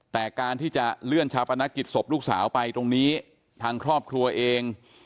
แต่การที่จะเลื่อนชาปนกิจศพลูกสาวไปตรงนี้ทางครอบครัวเอง